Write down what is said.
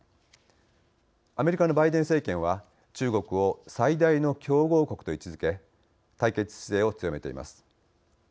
アメリカのバイデン政権は中国を最大の競合国と位置づけ対決姿勢を強めています。